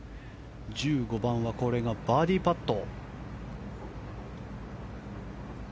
１５番はこれがバーディーパット。